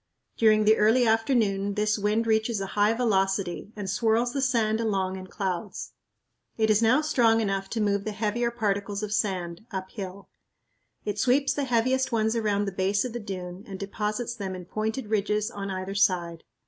During the early afternoon this wind reaches a high velocity and swirls the sand along in clouds. It is now strong enough to move the heavier particles of sand, uphill. It sweeps the heaviest ones around the base of the dune and deposits them in pointed ridges on either side.